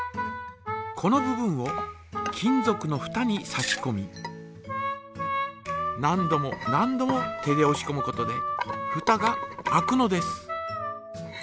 この部分を金ぞくのふたに差しこみ何度も何度も手でおしこむことでふたが開くのです。